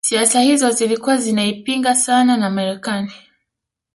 siasa hizo zilikuwa zinaipinga sana na Marekani